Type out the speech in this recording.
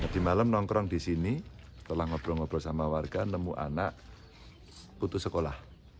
di malam nongkrong di sini setelah ngobrol ngobrol sama warga nemu anak putus sekolah